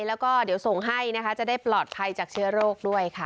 แล้วก็เดี๋ยวส่งให้นะคะจะได้ปลอดภัยจากเชื้อโรคด้วยค่ะ